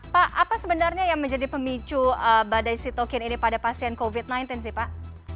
pak apa sebenarnya yang menjadi pemicu badai sitokin ini pada pasien covid sembilan belas sih pak